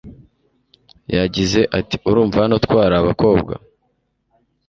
yagize ati urumva hano twari abakobwa